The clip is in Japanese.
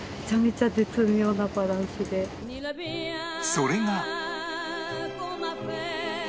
それが